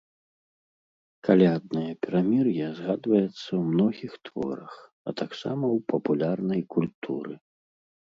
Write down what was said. Каляднае перамір'е згадваецца ў многіх творах, а таксама ў папулярнай культуры.